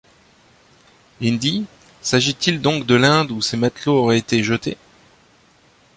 Indi..., s’agit-il donc de l’Inde où ces matelots auraient été jetés?